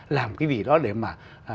làm cái gì đó để mà